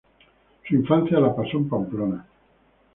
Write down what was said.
Su infancia la pasó en Pamplona.